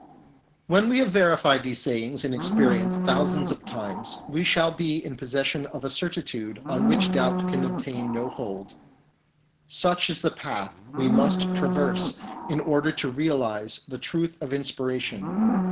When we have verified these sayings in ex perience thousands of times, we shall be in pos session of a certitude on which doubt can obtain no hold. Such is the path we must traverse in order to realise the truth of inspiration.